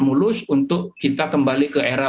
mulus untuk kita kembali ke era